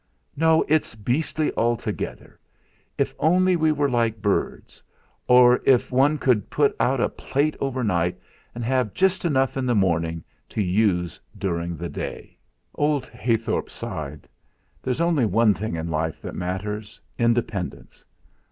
"No, it's beastly altogether. If only we were like birds. Or if one could put out a plate overnight, and have just enough in the morning to use during the day." Old Heythorp sighed. "There's only one thing in life that matters independence.